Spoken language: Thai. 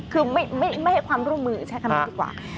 คือไม่ให้ความร่วมมือใช้คำนี้ดีกว่า